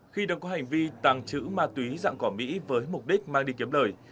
khi đồng hành vi tàng trữ ma túy dạng cỏ mỹ với mục đích mang đi kiếm lời